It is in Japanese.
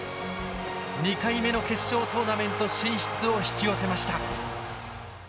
２回目の決勝トーナメント進出を引き寄せました。